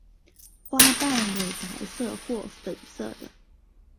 花瓣有白色或粉色的。